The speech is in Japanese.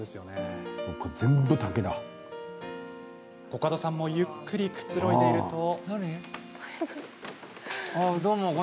コカドさんもゆっくりくつろいでいると。